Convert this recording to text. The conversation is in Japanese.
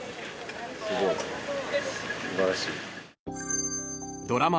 すごい。素晴らしい。